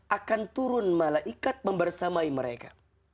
akan turun malaikat membersamai mereka